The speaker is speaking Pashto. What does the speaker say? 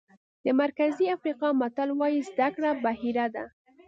د مرکزي افریقا متل وایي زده کړه بحیره ده.